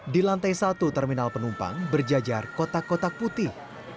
di lantai satu terminal penumpang berjajar kotak kotak putih